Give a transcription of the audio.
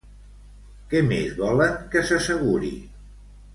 Què més volen que s'asseguri?